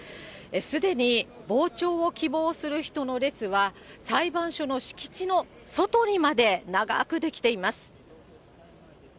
すでに傍聴を希望する人の列は、裁判所の敷地の外にまで長く出来ています。